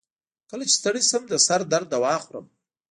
کله چې ستړی شم، د سر درد دوا خورم.